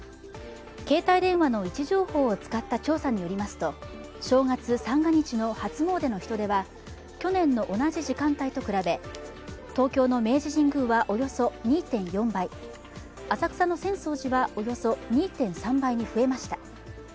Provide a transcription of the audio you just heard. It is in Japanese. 携帯電話の位置情報を使った調査によりますと正月三が日の初詣の人出は去年の同じ時間帯と比べ、東京の明治神宮はおよそ２．４倍、浅草の浅草寺はおよそ２．３倍に増えました。